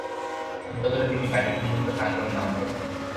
এর বদলে তিনি বাইরের উম্মুক্ত প্রাঙ্গনে নামাজ পড়েন।